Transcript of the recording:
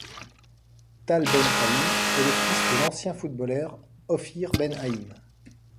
Tal Ben Haim est le fils de l'ancien footballeur Ofir Ben Haim.